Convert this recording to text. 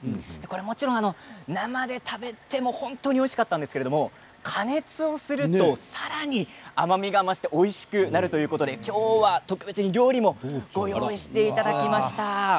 もちろん生で食べても本当においしかったんですが加熱するとさらに甘みがおいしくなるということで今日は特別にお料理をご用意していただきました。